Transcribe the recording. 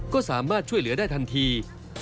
ก็สามารถช่วยเหลือได้ทันที